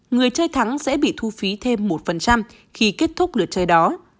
người chơi thắng sẽ bị thu phí thêm một khi kết thúc lượt chơi đó